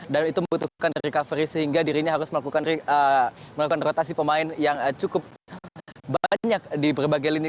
dan itu membutuhkan recovery sehingga dirinya harus melakukan rotasi pemain yang cukup banyak di berbagai lini